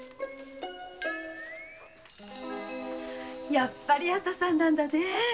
やっぱり朝さんなんだね。